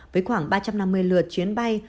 với khoảng ba trăm năm mươi lượt chuyến bay